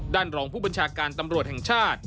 รองผู้บัญชาการตำรวจแห่งชาติ